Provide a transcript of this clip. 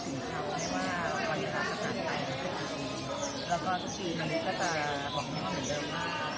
ทุกคนอยากทำอิสสุนรักและสุดสุขในความรักของท่าน